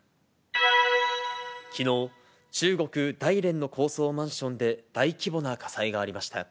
きのう、中国・大連の高層マンションで大規模な火災がありました。